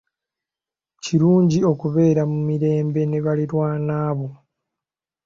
Kirungi okubeera mu mirembe ne baliraanwa bo.